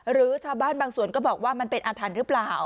หรือชาวบ้านบางส่วนก็บอกว่ามันเป็นอาถรรพ์หรือเปล่า